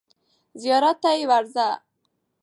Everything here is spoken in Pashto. زیارت ته یې ورځه.